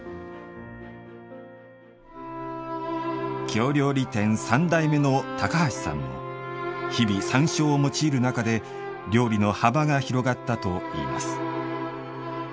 京料理店三代目の高橋さんも日々、山椒を用いる中で料理の幅が広がったといいます。